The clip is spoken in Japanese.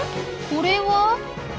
これは？